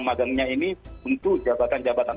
magangnya ini untuk jabatan jabatan